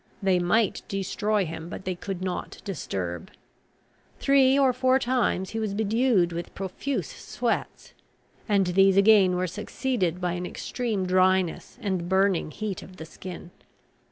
They might destroy him, but they could not disturb. Three or four times he was bedewed with profuse sweats; and these again were succeeded by an extreme dryness and burning heat of the skin.